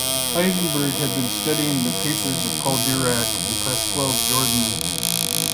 Heisenberg had been studying the papers of Paul Dirac and Pascual Jordan.